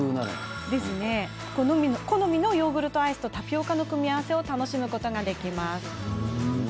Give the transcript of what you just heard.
好みのヨーグルトアイスとタピオカの組み合わせを楽しめます。